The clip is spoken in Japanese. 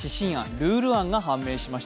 ルール案が判明しました。